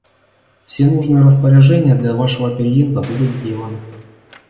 Все нужные распоряжения для вашего переезда будут сделаны.